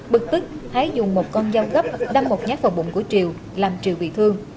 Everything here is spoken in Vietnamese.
bực tức hái dùng một con dao gấp đâm một nhát vào bụng của triều làm triều bị thương